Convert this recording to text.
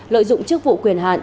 lợi dụng chức vụ quyền hạn